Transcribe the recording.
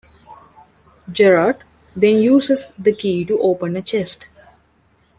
Jared then uses the key to open a chest.